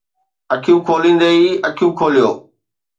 اکيون کوليندي ئي اکيون کوليون!